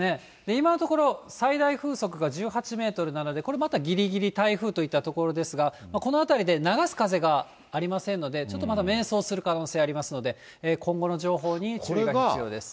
今のところ、最大風速が１８メートルなので、これまたぎりぎり台風といったところですが、この辺りで流す風がありませんので、ちょっとまだ迷走する可能性ありますので、今後の情報に注意が必要です。